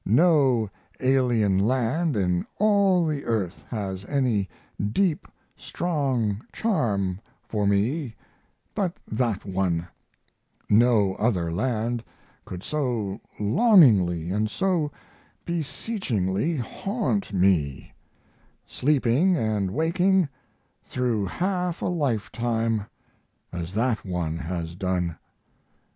No alien land in all the earth has any deep, strong charm for me but that one; no other land could so longingly and so beseechingly haunt me, sleeping and waking, through half a lifetime, as that one has done.